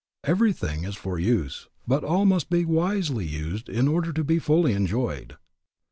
Everything is for use, but all must be wisely used in order to be fully enjoyed.